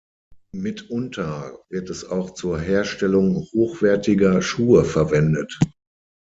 Mitunter wird es auch zur Herstellung hochwertiger Schuhe verwendet.